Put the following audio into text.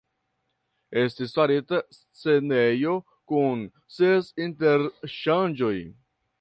Estis farita scenejo kun ses interŝanĝoj.